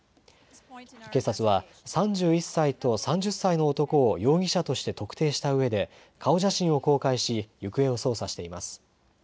警察は３１歳と３０歳の男を容疑者として特定したうえで顔写真を公開し行方を捜査しています。